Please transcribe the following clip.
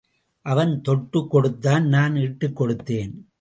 அவன் தொட்டுக் கொடுத்தான் நான் இட்டுக் கொடுத்தேன்.